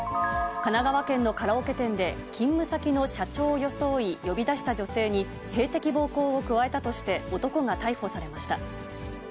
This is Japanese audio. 神奈川県のカラオケ店で、勤務先の社長を装い、呼び出した女性に性的暴行を加えたとして、男が逮捕されました。